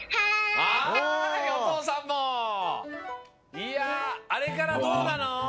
いやあれからどうなの？